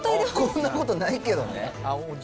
こんなことないけどね。